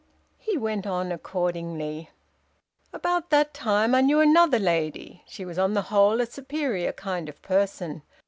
He went on accordingly. "About that time I knew another lady. She was on the whole a superior kind of person.